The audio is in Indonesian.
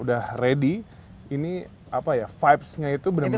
udah ready ini apa ya vibes nya itu bener bener